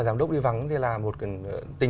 giám đốc đi vắng thì là một cái